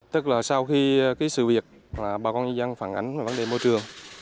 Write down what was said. tức là sau khi cái sự việc là bà con dân phản ánh về vấn đề môi trường